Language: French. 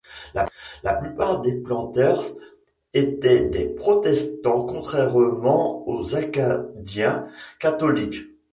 La plupart des Planters étaient des protestants, contrairement aux Acadiens catholiques.